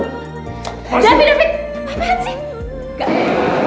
tapi david apaan sih